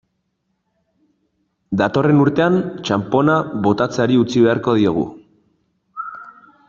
Datorren urtean, txanpona botatzeari utzi beharko diogu.